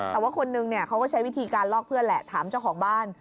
แต่ว่าคนนึงเนี่ยเขาก็ใช้วิธีการลอกเพื่อนแหละถามเจ้าของบ้าน